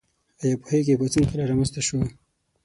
ایا پوهیږئ پاڅون کله رامنځته شو؟